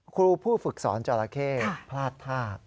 ครูผู้ฝึกสอนจราเข้พลาดท่า